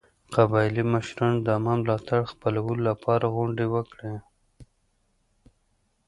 قبایلي مشرانو د عامه ملاتړ خپلولو لپاره غونډې وکړې.